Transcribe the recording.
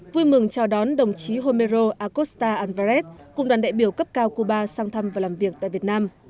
vui mừng chào đón đồng chí homero acosta alvarez cùng đoàn đại biểu cấp cao cuba sang thăm và làm việc tại việt nam